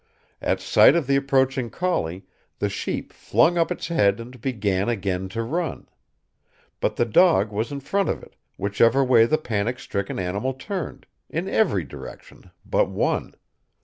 At sight of the approaching collie the sheep flung up its head and began again to run. But the dog was in front of it, whichever way the panic stricken animal turned; in every direction but one.